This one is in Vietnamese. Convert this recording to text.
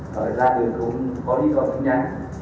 không đeo cầu trang ra đường không có lý do chứng nhắn